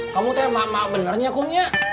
kamu tuh yang mak mak bener ya kum nya